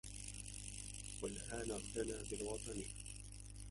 والآن اغتنى بالوطنِ!